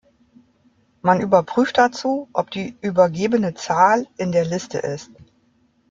Man überprüft dazu, ob die übergebene Zahl in der Liste ist.